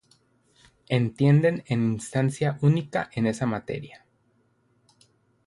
Entienden en instancia única en esa materia.